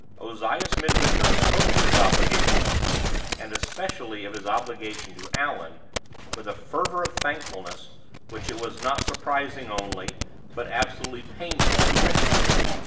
Ozias Midwinter spoke of his obligations and especially of his obligation to Allan with a fervor of thankfulness which it was not surprising only, but absolutely painful to witness.